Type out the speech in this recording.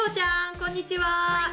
こんにちは。